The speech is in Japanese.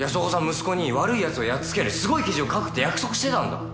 息子に悪い奴をやっつけるすごい記事を書くって約束してたんだ。